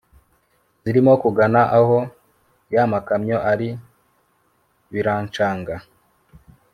zirimo kugana aho yamakamyo ari biranshanga